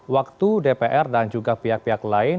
waktu dpr dan juga pihak pihak lain